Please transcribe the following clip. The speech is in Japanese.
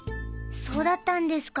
そうだったんですか。